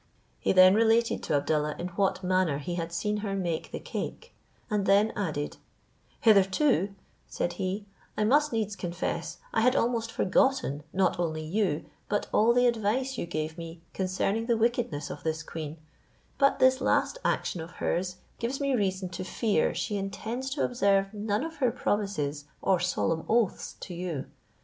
He then related to Abdallah in what manner he had seen her make the cake; and then added, "Hitherto," said he, "I must needs confess, I had almost forgotten, not only you, but all the advice you gave me concerning the wickedness of this queen; but this last action of hers gives me reason to fear she intends to observe none of her promises or solemn oaths .to you.